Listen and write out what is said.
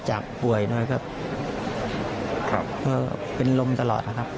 จากป่วยด้วยครับครับเพราะว่าเป็นลมตลอดอ่ะครับ